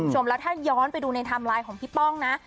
แล้วถ้าย้อนไปดูในไทม์ไลน์ของพี่ป้องนะ